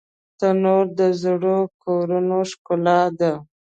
تنور د زړو کورونو ښکلا ده